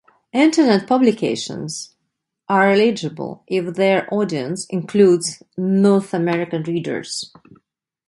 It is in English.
Internet publications are eligible if their audience includes North American readers.